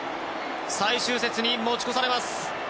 最終節に持ち越されます。